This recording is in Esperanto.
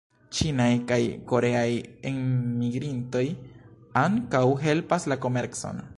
Ĉinaj kaj koreaj enmigrintoj ankaŭ helpas la komercon.